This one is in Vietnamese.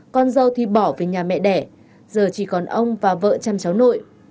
con dâu thì bỏ về nhà mẹ đẻ giờ chỉ còn ông và vợ chăm cháu nội